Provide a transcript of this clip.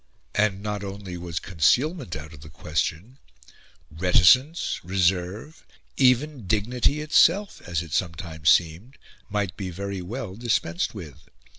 And not only was concealment out of the question; reticence, reserve, even dignity itself, as it sometimes seemed, might be very well dispensed with.